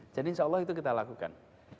insya allah itu kita lakukan